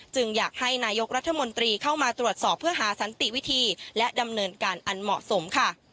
อยากให้นายกรัฐมนตรีเข้ามาตรวจสอบเพื่อหาสันติวิธีและดำเนินการอันเหมาะสมค่ะ